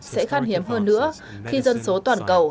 sẽ khan hiếm hơn nữa khi dân số toàn cầu